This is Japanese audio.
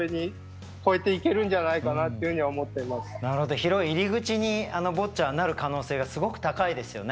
広い入り口にボッチャはなる可能性がすごく高いですよね。